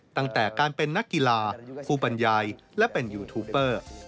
ตั้งแต่การเป็นนักกีฬาผู้บรรยายและเป็นยูทูปเปอร์